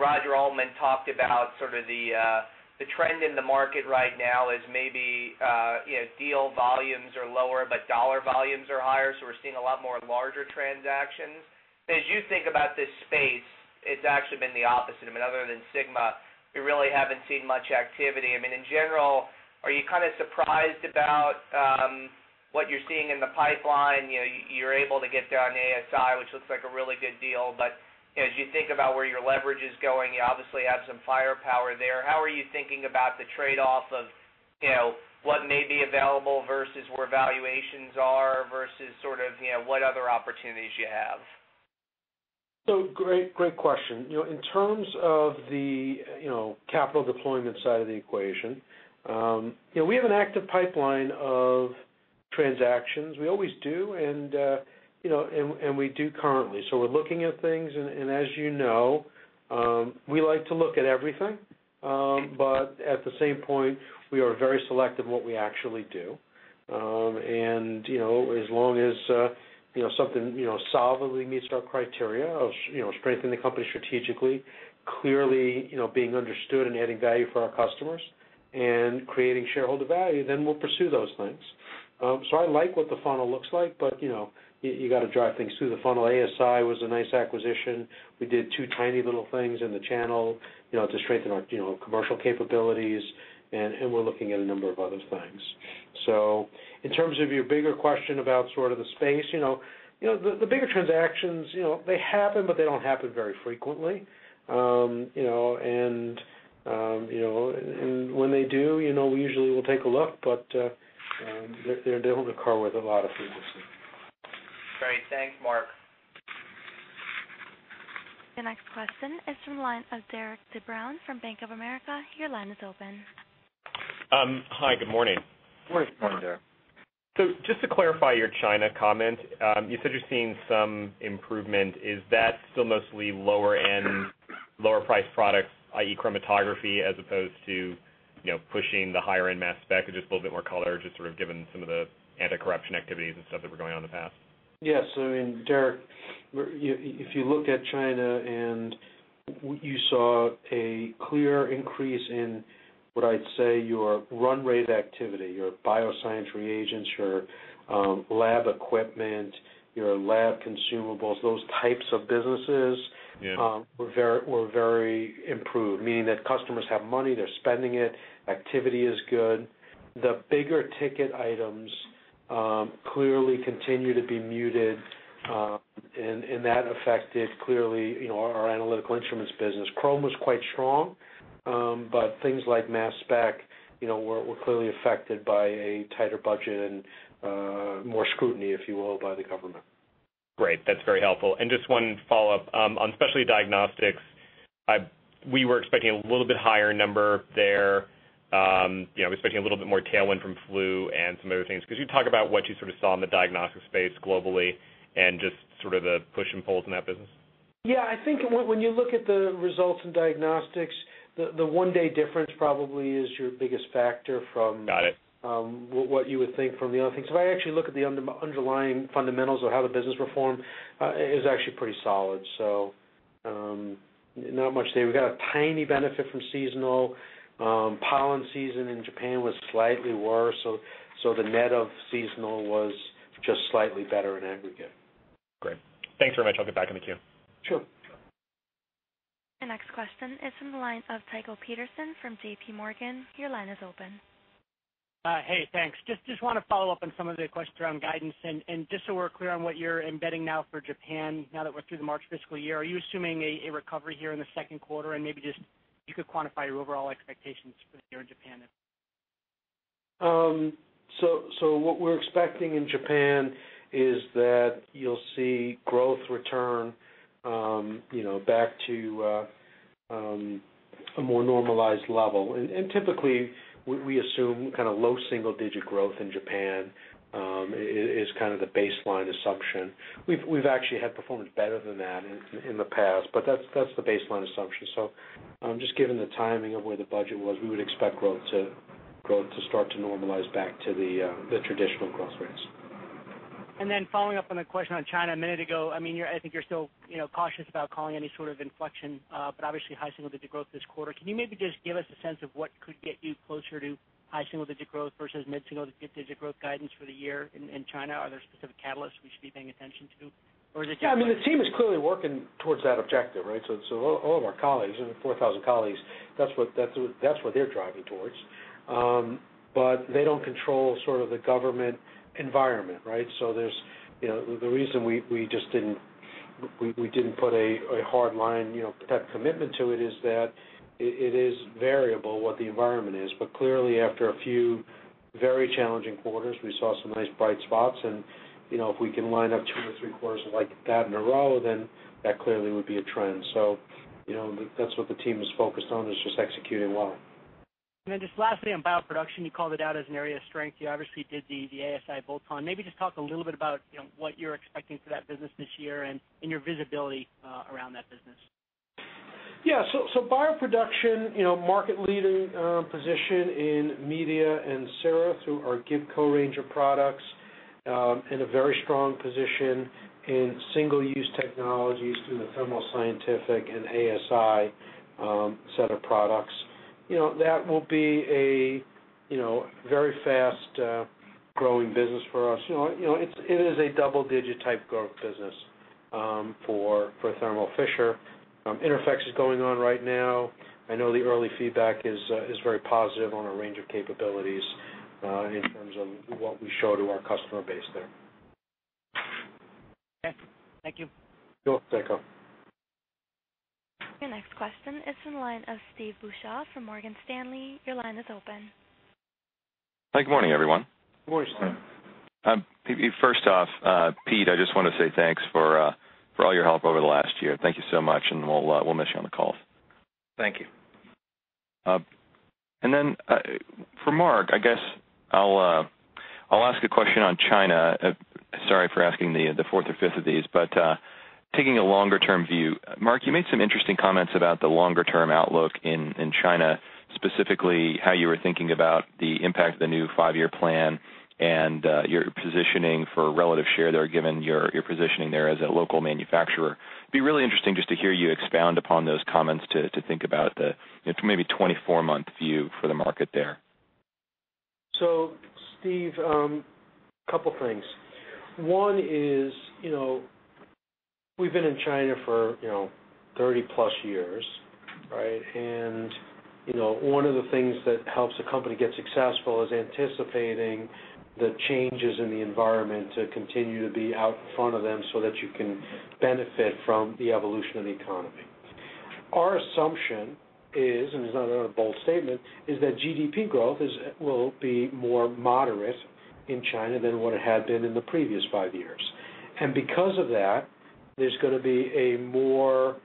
Roger Altman talked about sort of the trend in the market right now is maybe deal volumes are lower, but dollar volumes are higher, so we're seeing a lot more larger transactions. As you think about this space, it's actually been the opposite. Other than Sigma-Aldrich, we really haven't seen much activity. In general, are you kind of surprised about what you're seeing in the pipeline? You're able to get done ASI, which looks like a really good deal, but as you think about where your leverage is going, you obviously have some firepower there. How are you thinking about the trade-off of what may be available versus where valuations are versus sort of what other opportunities you have? Great question. In terms of the capital deployment side of the equation, we have an active pipeline of transactions. We always do, and we do currently. We're looking at things, and as you know, we like to look at everything. At the same point, we are very selective what we actually do. As long as something solidly meets our criteria of strengthening the company strategically, clearly being understood and adding value for our customers, and creating shareholder value, then we'll pursue those things. I like what the funnel looks like, but you got to drive things through the funnel. ASI was a nice acquisition. We did two tiny little things in the channel to strengthen our commercial capabilities, and we're looking at a number of other things. In terms of your bigger question about sort of the space, the bigger transactions, they happen, but they don't happen very frequently. When they do, we usually will take a look, but they don't occur with a lot of frequency. Great. Thanks, Marc. The next question is from the line of Derik De Bruin from Bank of America. Your line is open. Hi, good morning. Morning, Derik. Just to clarify your China comment, you said you're seeing some improvement. Is that still mostly lower-end, lower-priced products, i.e., chromatography, as opposed to pushing the higher-end mass spec? Just a little bit more color, just sort of given some of the anti-corruption activities and stuff that were going on in the past? Yes. Derik, if you look at China, you saw a clear increase in what I'd say your run rate activity, your bioscience reagents, your lab equipment, your lab consumables, those types of businesses- Yeah were very improved, meaning that customers have money, they're spending it. Activity is good. The bigger-ticket items clearly continue to be muted, that affected, clearly, our analytical instruments business. Chrome was quite strong, but things like mass spec were clearly affected by a tighter budget and more scrutiny, if you will, by the government. Great. That's very helpful. Just one follow-up. On specialty diagnostics, we were expecting a little bit higher number there. We're expecting a little bit more tailwind from flu and some other things. Could you talk about what you sort of saw in the diagnostic space globally and just sort of the push and pulls in that business? Yeah, I think when you look at the results in diagnostics, the one-day difference probably is your biggest factor from- Got it what you would think from the other things. If I actually look at the underlying fundamentals of how the business performed, it was actually pretty solid. Not much there. We got a tiny benefit from seasonal. Pollen season in Japan was slightly worse, so the net of seasonal was just slightly better in aggregate. Great. Thanks very much. I'll get back in the queue. Sure. The next question is from the line of Tycho Peterson from JPMorgan. Your line is open. Hey, thanks. Just want to follow up on some of the questions around guidance and just so we're clear on what you're embedding now for Japan now that we're through the March fiscal year. Are you assuming a recovery here in the second quarter? Maybe just you could quantify your overall expectations for Japan. What we're expecting in Japan is that you'll see growth return back to a more normalized level. Typically, we assume kind of low single-digit growth in Japan is kind of the baseline assumption. We've actually had performance better than that in the past, but that's the baseline assumption. Just given the timing of where the budget was, we would expect growth to start to normalize back to the traditional growth rates. Following up on the question on China a minute ago, I think you're still cautious about calling any sort of inflection, but obviously high single-digit growth this quarter. Can you maybe just give us a sense of what could get you closer to high single-digit growth versus mid-to-low single-digit growth guidance for the year in China? Are there specific catalysts we should be paying attention to? Or is it just- Yeah, the team is clearly working towards that objective, right? All of our colleagues, 4,000 colleagues, that's what they're driving towards. They don't control sort of the government environment, right? The reason we didn't put a hard line, that commitment to it is that it is variable what the environment is. Clearly, after a few very challenging quarters, we saw some nice bright spots. If we can line up two or three quarters like that in a row, then that clearly would be a trend. That's what the team is focused on, is just executing well. just lastly, on bioproduction, you called it out as an area of strength. You obviously did the ASI bolt-on. Maybe just talk a little bit about what you're expecting for that business this year and your visibility around that business. Yeah. bioproduction, market-leading position in media and sera through our Gibco range of products, in a very strong position in single-use technologies through the Thermo Scientific and ASI set of products. That will be a very fast-growing business for us. It is a double-digit type growth business for Thermo Fisher. INTERPHEX is going on right now. I know the early feedback is very positive on a range of capabilities, in terms of what we show to our customer base there. Okay. Thank you. Sure. Thank you. Your next question is in line of Steve Beuchaw from Morgan Stanley. Your line is open. Hi. Good morning, everyone. Good morning, Steve. First off, Pete, I just want to say thanks for all your help over the last year. Thank you so much, and we'll miss you on the calls. Thank you. For Marc, I guess I'll ask a question on China. Sorry for asking the fourth or fifth of these, but taking a longer-term view, Marc, you made some interesting comments about the longer-term outlook in China, specifically how you were thinking about the impact of the new five-year plan and your positioning for relative share there, given your positioning there as a local manufacturer. It'd be really interesting just to hear you expound upon those comments to think about the maybe 24-month view for the market there. Steve, couple things. One is, we've been in China for 30-plus years, right? One of the things that helps a company get successful is anticipating the changes in the environment to continue to be out in front of them, so that you can benefit from the evolution of the economy. Our assumption is, this is not a bold statement, is that GDP growth will be more moderate in China than what it had been in the previous five years. Because of that, there's going to be a more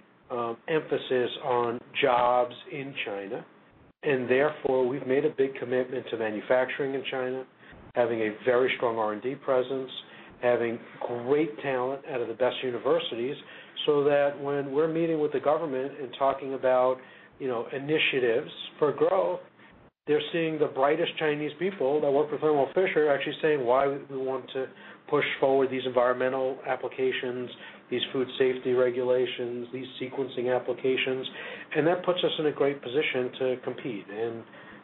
emphasis on jobs in China, therefore, we've made a big commitment to manufacturing in China, having a very strong R&D presence, having great talent out of the best universities, so that when we're meeting with the government and talking about initiatives for growth, they're seeing the brightest Chinese people that work with Thermo Fisher actually saying why we want to push forward these environmental applications, these food safety regulations, these sequencing applications, that puts us in a great position to compete.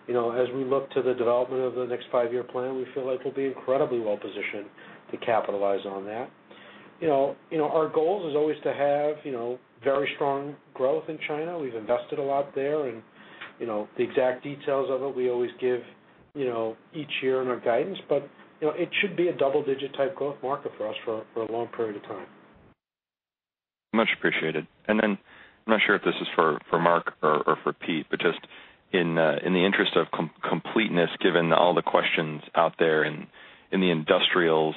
As we look to the development of the next five-year plan, we feel like we'll be incredibly well positioned to capitalize on that. Our goal is always to have very strong growth in China. We've invested a lot there. The exact details of it, we always give each year in our guidance. It should be a double-digit type growth market for us for a long period of time. Much appreciated. I'm not sure if this is for Marc or for Pete, but just in the interest of completeness, given all the questions out there in the industrials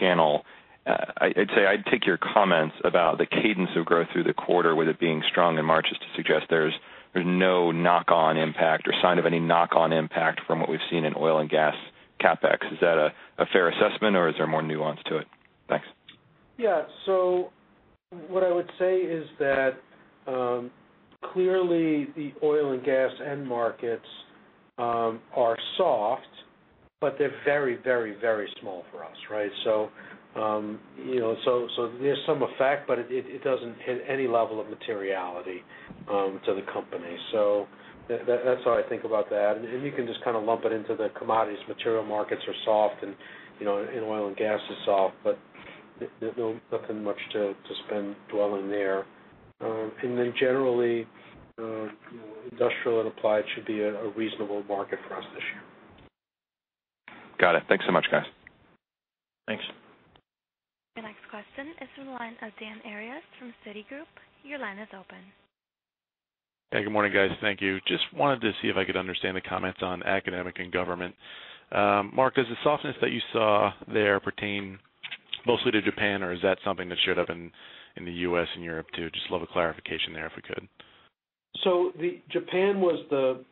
channel, I'd say I'd take your comments about the cadence of growth through the quarter with it being strong in March is to suggest there's no knock-on impact or sign of any knock-on impact from what we've seen in oil and gas CapEx. Is that a fair assessment or is there more nuance to it? Thanks. Yeah. What I would say is that, clearly the oil and gas end markets are soft, but they're very small for us, right? There's some effect, but it doesn't hit any level of materiality to the company. That's how I think about that, and you can just kind of lump it into the commodities material markets are soft and oil and gas is soft, but nothing much to spend dwelling there. Generally, industrial and applied should be a reasonable market for us this year. Got it. Thanks so much, guys. Thanks. Your next question is in line of Dan Arias from Citigroup. Your line is open. Hey, good morning, guys. Thank you. Just wanted to see if I could understand the comments on academic and government. Marc, does the softness that you saw there pertain mostly to Japan, or is that something that showed up in the U.S. and Europe, too? Just love a clarification there, if we could. Japan was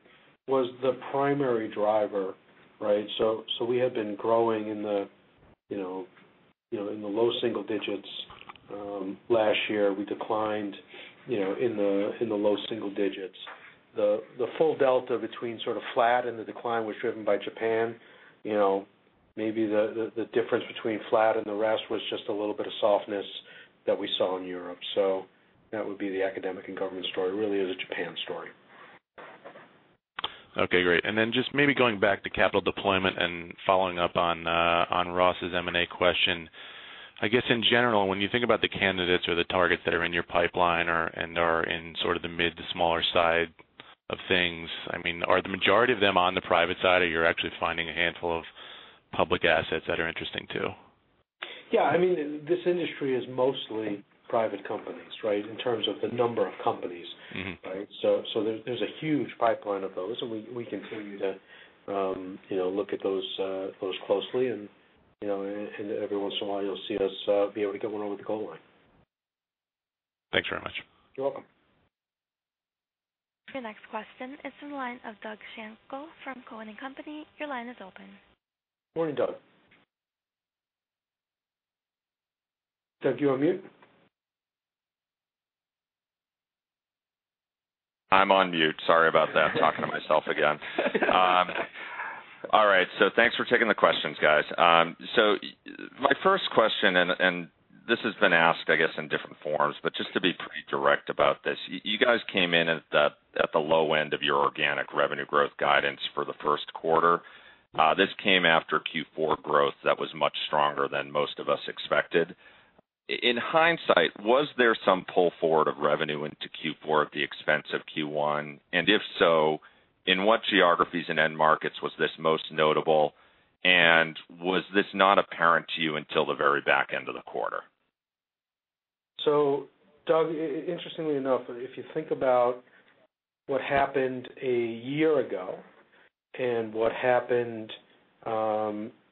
the primary driver, right? We had been growing in the low single digits. Last year, we declined in the low single digits. The full delta between sort of flat and the decline was driven by Japan. Maybe the difference between flat and the rest was just a little bit of softness that we saw in Europe. That would be the academic and government story, really is a Japan story. Okay, great. Then just maybe going back to capital deployment and following up on Ross's M&A question. I guess in general, when you think about the candidates or the targets that are in your pipeline or in sort of the mid to smaller side of things. Are the majority of them on the private side, or you're actually finding a handful of public assets that are interesting, too? Yeah. This industry is mostly private companies, right? In terms of the number of companies. Right? There's a huge pipeline of those, and we continue to look at those closely, and every once in a while you'll see us be able to get one over the goal line. Thanks very much. You're welcome. Your next question is in the line of Doug Schenkel from Cowen and Company. Your line is open. Morning, Doug. Doug, you on mute? I'm on mute. Sorry about that. Talking to myself again. All right. Thanks for taking the questions, guys. My first question, and this has been asked, I guess, in different forms, but just to be pretty direct about this, you guys came in at the low end of your organic revenue growth guidance for the first quarter. This came after Q4 growth that was much stronger than most of us expected. In hindsight, was there some pull forward of revenue into Q4 at the expense of Q1? If so, in what geographies and end markets was this most notable, and was this not apparent to you until the very back end of the quarter? Doug, interestingly enough, if you think about what happened a year ago and what happened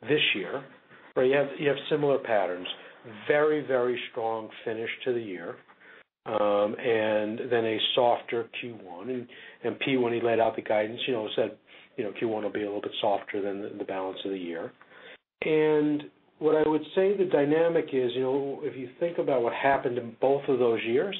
this year, you have similar patterns. Very strong finish to the year, and then a softer Q1. P, when he laid out the guidance, said Q1 will be a little bit softer than the balance of the year. What I would say the dynamic is, if you think about what happened in both of those years,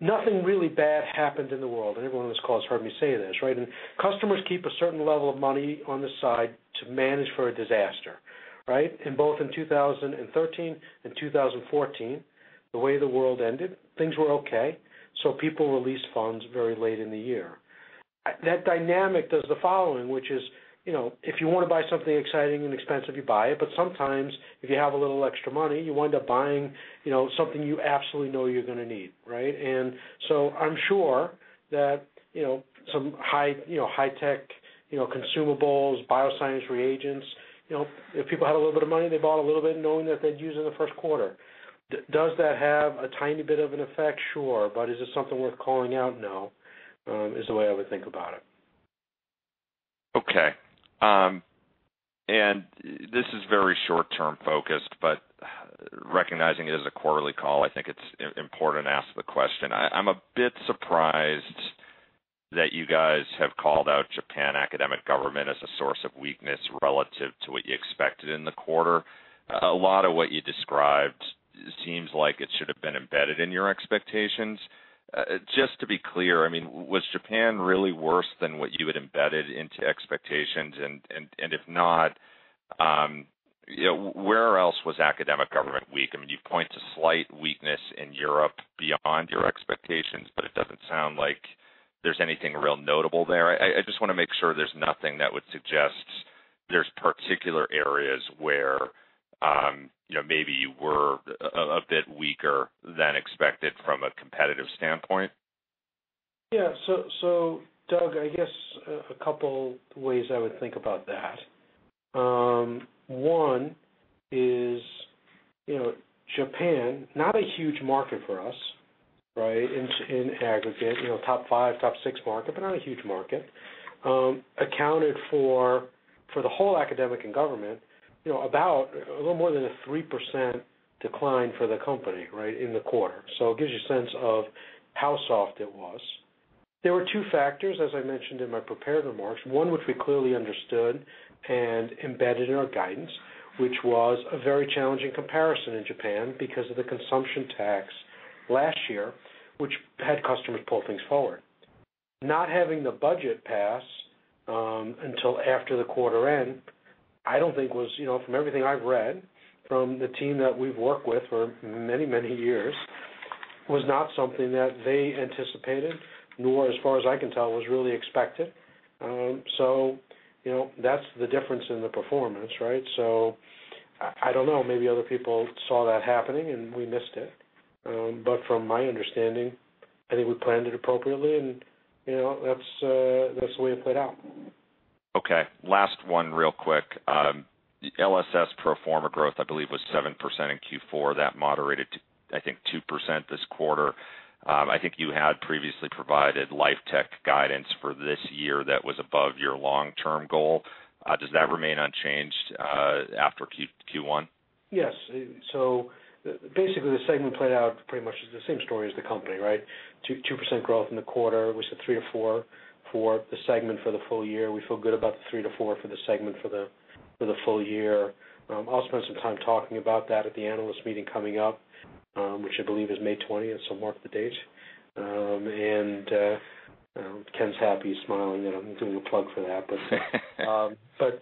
nothing really bad happened in the world. Everyone on this call has heard me say this, right? Customers keep a certain level of money on the side to manage for a disaster, right? In both in 2013 and 2014, the way the world ended, things were okay, so people released funds very late in the year. That dynamic does the following, which is, if you want to buy something exciting and expensive, you buy it. Sometimes if you have a little extra money, you wind up buying something you absolutely know you're going to need, right? I'm sure that some high tech consumables, bioscience reagents, if people had a little bit of money, they bought a little bit knowing that they'd use it in the first quarter. Does that have a tiny bit of an effect? Sure. Is it something worth calling out? No. Is the way I would think about it. Okay. This is very short term focused, but recognizing it is a quarterly call, I think it's important to ask the question. I'm a bit surprised that you guys have called out Japan academic government as a source of weakness relative to what you expected in the quarter. A lot of what you described seems like it should've been embedded in your expectations. Just to be clear, was Japan really worse than what you had embedded into expectations? If not, where else was academic government weak? You point to slight weakness in Europe beyond your expectations, it doesn't sound like there's anything real notable there. I just want to make sure there's nothing that would suggest there's particular areas where maybe you were a bit weaker than expected from a competitive standpoint. Doug, I guess a couple ways I would think about that. One is, Japan, not a huge market for us, right? In aggregate, top 5, top 6 market, but not a huge market, accounted for the whole academic and government, about a little more than a 3% decline for the company, right, in the quarter. It gives you a sense of how soft it was. There were two factors, as I mentioned in my prepared remarks, one which we clearly understood and embedded in our guidance, which was a very challenging comparison in Japan because of the consumption tax last year, which had customers pull things forward. Not having the budget pass until after the quarter end, I don't think was, from everything I've read from the team that we've worked with for many years, was not something that they anticipated, nor as far as I can tell, was really expected. That's the difference in the performance, right? I don't know, maybe other people saw that happening and we missed it. From my understanding, I think we planned it appropriately, and that's the way it played out. Okay. Last one real quick. LSS pro forma growth, I believe, was 7% in Q4. That moderated to, I think, 2% this quarter. I think you had previously provided Life Tech guidance for this year that was above your long-term goal. Does that remain unchanged after Q1? Yes. Basically, the segment played out pretty much the same story as the company, right? 2% growth in the quarter. We said three or four for the segment for the full year. We feel good about the three to four for the segment for the full year. I'll spend some time talking about that at the analyst meeting coming up, which I believe is May 20th. Mark the date. Ken's happy, he's smiling, I'm doing a plug for that,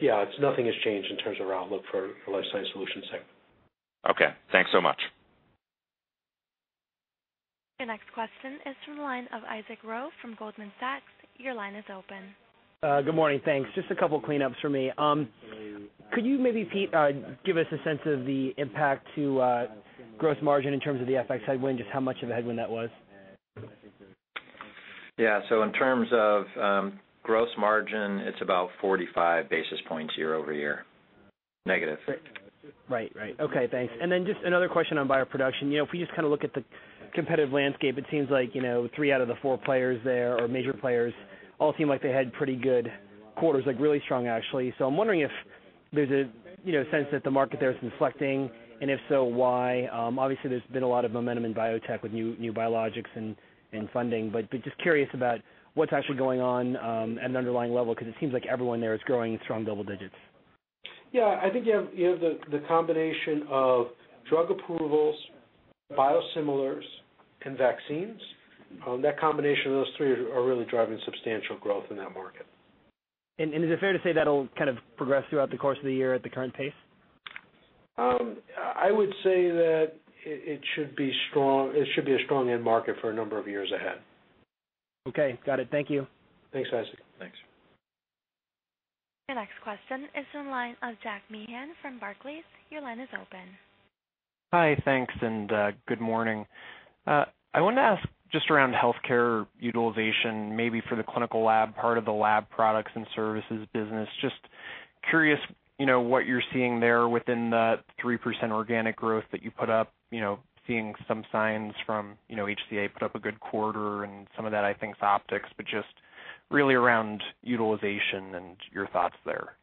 yeah, nothing has changed in terms of our outlook for the Life Sciences Solutions segment. Okay. Thanks so much. Your next question is from the line of Isaac Ro from Goldman Sachs. Your line is open. Good morning. Thanks. Just a couple cleanups for me. Could you maybe, Pete, give us a sense of the impact to gross margin in terms of the FX headwind, just how much of a headwind that was? Yeah. In terms of gross margin, it's about 45 basis points year-over-year, negative. Right. Okay, thanks. Just another question on bioproduction. If we just look at the competitive landscape, it seems like three out of the four players there, or major players, all seem like they had pretty good quarters, like really strong, actually. I'm wondering if there's a sense that the market there is inflecting, and if so, why? Obviously, there's been a lot of momentum in biotech with new biologics and funding, but just curious about what's actually going on at an underlying level, because it seems like everyone there is growing strong double digits. Yeah. I think you have the combination of drug approvals, biosimilars, and vaccines. That combination of those three are really driving substantial growth in that market. Is it fair to say that'll progress throughout the course of the year at the current pace? I would say that it should be a strong end market for a number of years ahead. Okay. Got it. Thank you. Thanks, Isaac. Thanks. Your next question is in the line of Jack Meehan from Barclays. Your line is open. Hi, thanks. Good morning. I wanted to ask just around healthcare utilization, maybe for the clinical lab part of the lab products and services business. Just curious what you're seeing there within the 3% organic growth that you put up, seeing some signs from HCA put up a good quarter and some of that, I think, is optics, but just really around utilization and your thoughts there.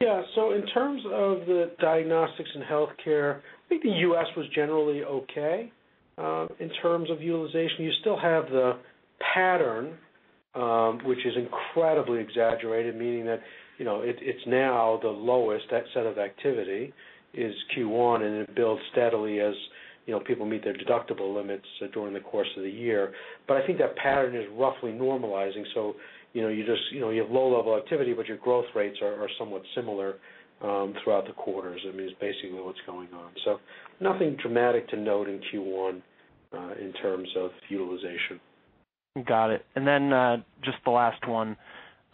Yeah. In terms of the diagnostics in healthcare, I think the U.S. was generally okay. In terms of utilization, you still have the pattern, which is incredibly exaggerated, meaning that it's now the lowest set of activity is Q1, and it builds steadily as people meet their deductible limits during the course of the year. I think that pattern is roughly normalizing, so you have low-level activity, but your growth rates are somewhat similar throughout the quarters, I mean, is basically what's going on. Nothing dramatic to note in Q1 in terms of utilization. Got it. Then, just the last one.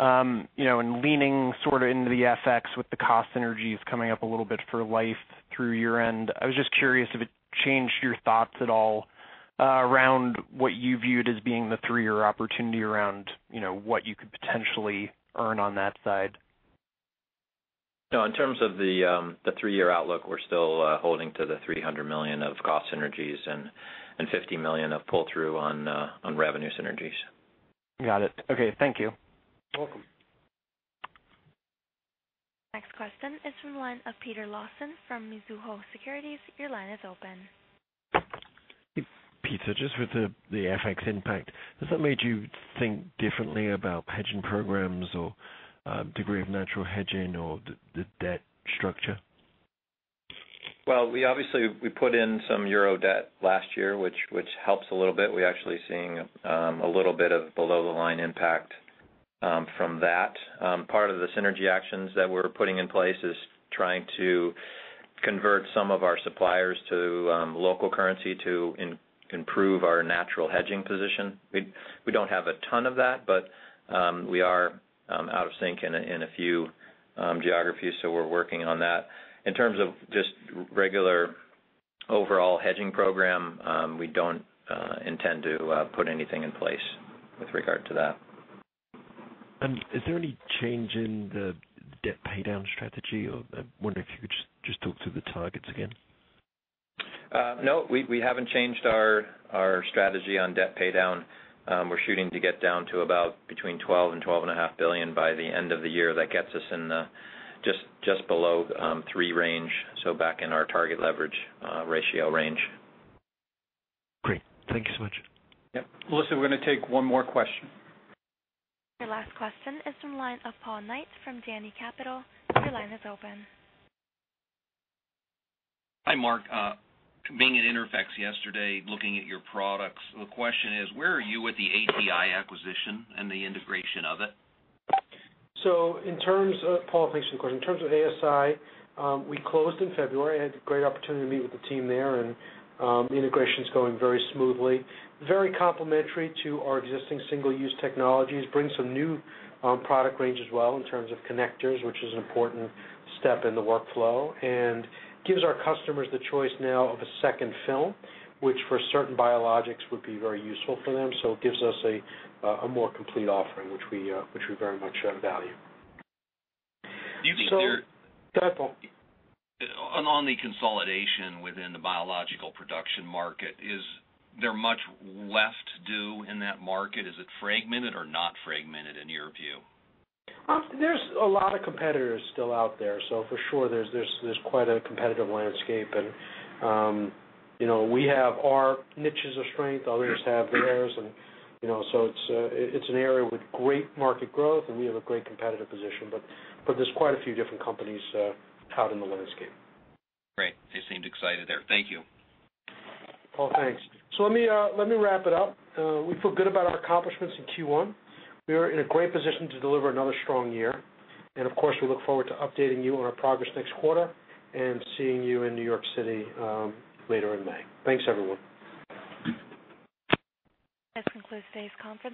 In leaning into the FX with the cost synergies coming up a little bit for life through year-end, I was just curious if it changed your thoughts at all around what you viewed as being the three-year opportunity around what you could potentially earn on that side. No, in terms of the three-year outlook, we're still holding to the $300 million of cost synergies and $50 million of pull-through on revenue synergies. Got it. Okay. Thank you. Welcome. Next question is from the line of Peter Lawson from Mizuho Securities. Your line is open. Hey, Pete. Just with the FX impact, has that made you think differently about hedging programs or degree of natural hedging or the debt structure? Well, obviously, we put in some EUR debt last year, which helps a little bit. We're actually seeing a little bit of below-the-line impact from that. Part of the synergy actions that we're putting in place is trying to convert some of our suppliers to local currency to improve our natural hedging position. We don't have a ton of that, but we are out of sync in a few geographies, we're working on that. In terms of just regular overall hedging program, we don't intend to put anything in place with regard to that. Is there any change in the debt paydown strategy, or I wonder if you could just talk through the targets again? No, we haven't changed our strategy on debt paydown. We're shooting to get down to about between $12 billion and $12 and a half billion by the end of the year. That gets us in just below 3 range, back in our target leverage ratio range. Great. Thank you so much. Yep. Alyssa, we're going to take one more question. Your last question is from the line of Paul Knight from Janney Capital. Your line is open. Hi, Marc. Being at INTERPHEX yesterday, looking at your products, the question is, where are you with the ASI acquisition and the integration of it? Paul, thanks for the question. In terms of ASI, we closed in February. I had a great opportunity to meet with the team there, and integration's going very smoothly. Very complementary to our existing single-use technologies, brings some new product range as well in terms of connectors, which is an important step in the workflow, and gives our customers the choice now of a second film, which for certain biologics would be very useful for them. It gives us a more complete offering, which we very much value. Do you think there- Go ahead, Paul. On the consolidation within the biological production market, is there much left to do in that market? Is it fragmented or not fragmented in your view? There's a lot of competitors still out there, so for sure there's quite a competitive landscape. We have our niches of strength, others have theirs, and so it's an area with great market growth, and we have a great competitive position. There's quite a few different companies out in the landscape. Great. They seemed excited there. Thank you. Paul, thanks. Let me wrap it up. We feel good about our accomplishments in Q1. We are in a great position to deliver another strong year. Of course, we look forward to updating you on our progress next quarter and seeing you in New York City later in May. Thanks, everyone. This concludes today's conference.